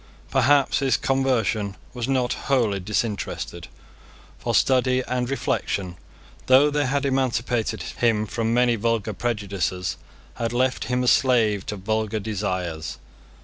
Perhaps his conversion was not wholly disinterested. For study and reflection, though they had emancipated him from many vulgar prejudices, had left him a slave to vulgar desires.